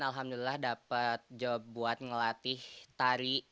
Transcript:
alhamdulillah dapat job buat ngelatih tari